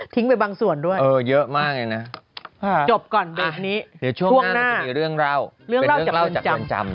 ทิ้งไปบางส่วนด้วยจบก่อนเด็กนี้ช่วงหน้าเป็นเรื่องเล่าเป็นเรื่องเล่าจากคนจำ